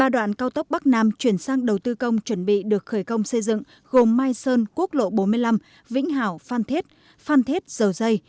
ba đoạn cao tốc bắc nam chuyển sang đầu tư công chuẩn bị được khởi công xây dựng gồm mai sơn quốc lộ bốn mươi năm vĩnh hảo phan thết phan thết dầu dây